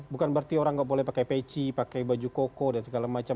bukan berarti orang nggak boleh pakai peci pakai baju koko dan segala macam